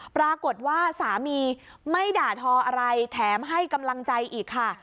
ปรากฏว่าสามีไม่ด่าทออะไรแถมให้กำลังใจอีกค่ะ